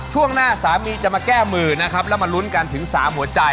ช่วงหน้าสามีจะมาแก้มือนะครับ